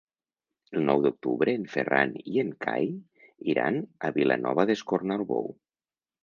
El nou d'octubre en Ferran i en Cai iran a Vilanova d'Escornalbou.